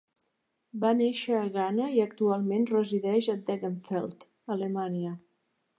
Va néixer a Ghana i actualment resideix a Degenfeld, Alemanya.